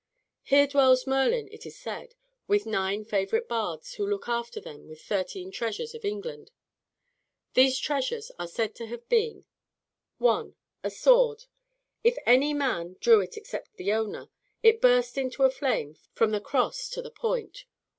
Here dwells Merlin, it is said, with nine favorite bards who took with them the thirteen treasures of England. These treasures are said to have been: 1. A sword; if any man drew it except the owner, it burst into a flame from the cross to the point.